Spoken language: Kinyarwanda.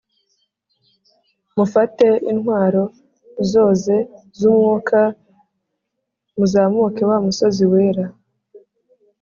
Mufate intwaro zoze zumwuka tuzamuke wamusozi wera